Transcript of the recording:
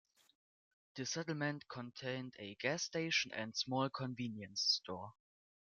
The settlement contained a gas station and small convenience store.